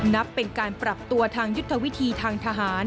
นับเป็นการปรับตัวทางยุทธวิธีทางทหาร